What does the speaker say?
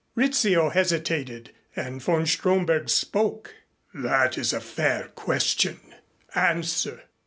Rizzio hesitated and von Stromberg spoke. "That is a fair question. Answer."